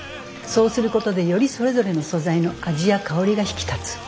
そうすることでよりそれぞれの素材の味や香りが引き立つ。